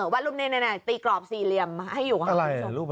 วาดรูปนี้ตีกรอบสี่เหลี่ยมให้อยู่ข้างล่าง